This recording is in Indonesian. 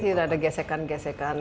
jadi sudah ada gesekan gesekan